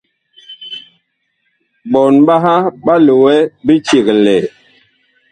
Ɓɔɔn ɓaha ɓa loɛ biceglɛɛ.